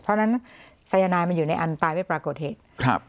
เพราะฉะนั้นสายนายมันอยู่ในอันตายไม่ปรากฏเหตุครับ